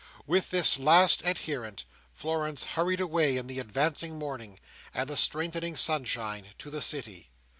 With this last adherent, Florence hurried away in the advancing morning, and the strengthening sunshine, to the City.